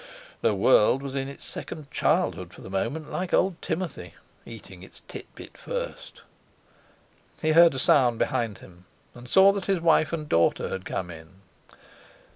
The world was in its second childhood for the moment, like old Timothy—eating its titbit first! He heard a sound behind him, and saw that his wife and daughter had come in.